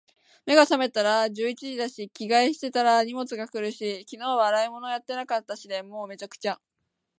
目が覚めたら十一時だし、着替えしてたら荷物が来るし、昨日は洗い物やってなかったしで……もう、滅茶苦茶。